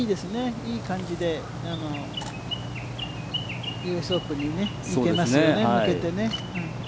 いい感じでＵＳオープンに行けますよね、向けてね。